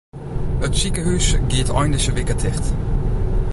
It sikehús giet ein dizze wike ticht.